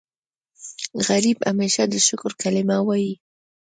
غریب همیشه د شکر کلمه وايي